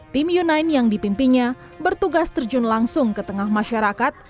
tim united yang dipimpinnya bertugas terjun langsung ke tengah masyarakat